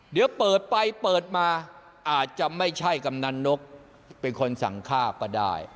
เดี๋ยวเปิดไปเปิดมาอาจจะไม่ใช่กำนันนกเป็นคนสั่งฆ่าก็ได้